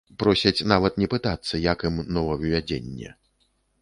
Просяць нават не пытацца, як ім новаўвядзенне.